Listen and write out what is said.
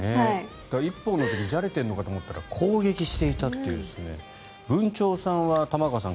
１本の時じゃれているのかと思ったら攻撃していたというブンチョウさんは玉川さん